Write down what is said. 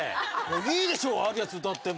いいでしょあるやつ歌っても。